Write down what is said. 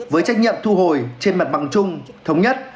với trách nhiệm thu hồi trên mặt bằng chung thống nhất